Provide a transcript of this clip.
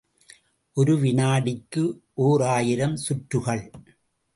ஒரு வினாடிக்கு ஓர் ஆயிரம் சுற்றுகள்.